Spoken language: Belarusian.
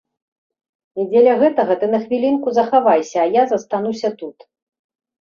І дзеля гэтага ты на хвілінку захавайся, а я застануся тут.